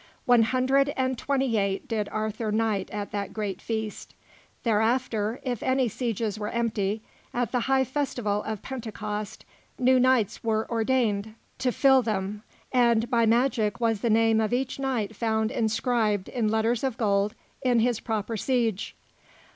One hundred and twenty eight did Arthur knight at that great feast; thereafter, if any sieges were empty, at the high festival of Pentecost new knights were ordained to fill them, and by magic was the name of each knight found inscribed, in letters of gold, in his proper siege.